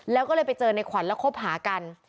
แล้วก็เลยไปเจอในขวัญแล้วคบหากัน